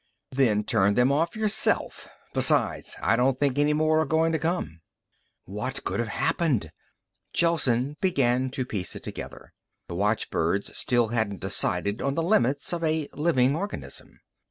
"Then turn them off yourself. Besides, I don't think any more are going to come." What could have happened? Gelsen began to piece it together. The watchbirds still hadn't decided on the limits of a living organism.